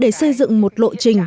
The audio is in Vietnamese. để xây dựng một lộ trình